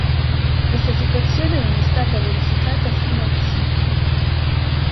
Questa situazione non è stata verificata fino al c.